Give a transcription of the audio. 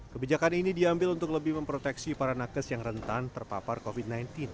kebijakan ini diambil untuk lebih memproteksi para nakes yang rentan terpapar covid sembilan belas